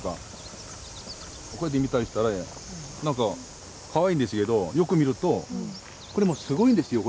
こうやって見たりしたらなんかかわいいんですけどよく見るとこれもすごいんですよ。